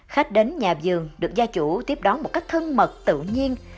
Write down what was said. khách đến nhà vườn được gia chủ tiếp đón một cách thân mật tự nhiên